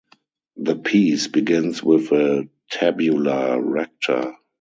The piece begins with a tabula recta.